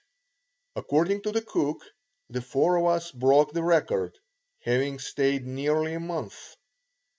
According to the cook, the four of us broke the record, having stayed nearly a month.